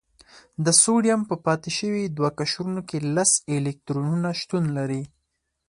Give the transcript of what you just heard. د سوډیم په پاتې شوي دوه قشرونو کې لس الکترونونه شتون لري.